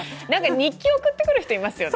日記を送ってくる人、いますよね